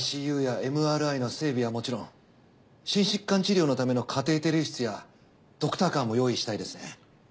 ＩＣＵやＭＲＩの整備はもちろん心疾患治療のためのカテーテル室やドクターカーも用意したいですね。